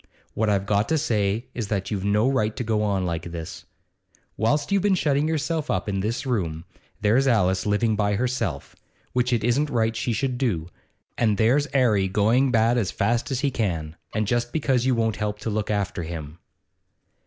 What I've got to say is that you've no right to go on like this. Whilst you've been shutting yourself up in this room, there's Alice living by herself, which it isn't right she should do; and there's 'Arry going to the bad as fast as he can, and just because you won't help to look after him.